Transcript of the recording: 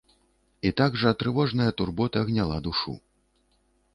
І так жа трывожная турбота гняла душу.